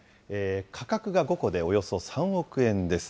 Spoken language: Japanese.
価格が５個でおよそ３億円です。